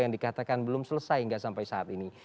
yang dikatakan belum selesai hingga sampai saat ini